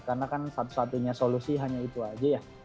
karena kan satu satunya solusi hanya itu aja ya